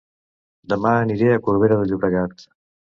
Dema aniré a Corbera de Llobregat